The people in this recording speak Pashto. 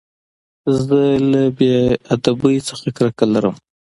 زه له بې ادبۍ څخه کرکه لرم.